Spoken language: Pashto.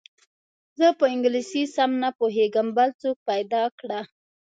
زه په انګلیسي سم نه پوهېږم بل څوک پیدا کړه.